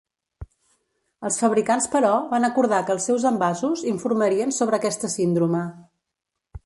Els fabricants però van acordar que els seus envasos informarien sobre aquesta síndrome.